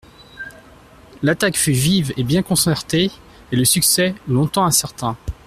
L'attaque fut vive et bien concertée, et le succès long-temps incertain.